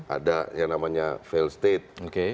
ada yang namanya fail state